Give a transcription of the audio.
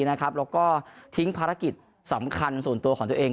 แล้วก็ทิ้งภารกิจสำคัญส่วนตัวของตัวเอง